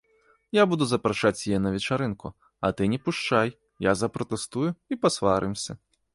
Я буду запрашаць яе на вечарынку, а ты не пушчай, я запратэстую, і пасварымся.